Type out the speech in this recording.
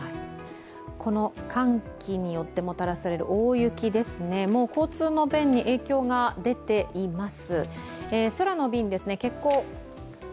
この寒気によってもらたされる大雪ですね、もう交通の便に影響が出ています。